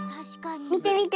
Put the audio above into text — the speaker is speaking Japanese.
みてみて！